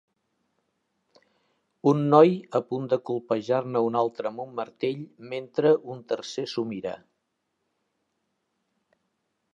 Un noi a punt de colpejar-ne un altre amb un martell, mentre un tercer s'ho mira.